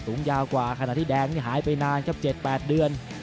สูงยาวกว่าขณะที่แดงนี่หายไปนานครับ๗๘เดือน